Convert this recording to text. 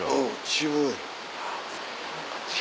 渋い。